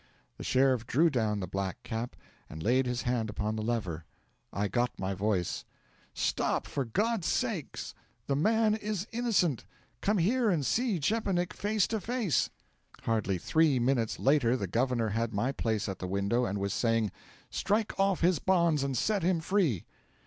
The sheriff drew down the black cap, and laid his hand upon the lever. I got my voice. 'Stop, for God's sake! The man is innocent. Come here and see Szczepanik face to face!' Hardly three minutes later the governor had my place at the window, and was saying: 'Strike off his bonds and set him free!'